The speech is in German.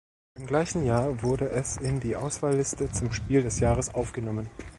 Im gleichen Jahr wurde es in die Auswahlliste zum Spiel des Jahres aufgenommen.